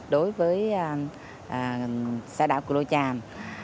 đối với xã đảo cụ lao chàm